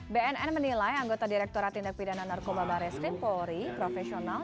bnn menilai anggota direkturat tindak pidana narkoba bares krim polri profesional